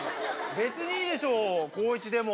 別にいいでしょ貢一でも。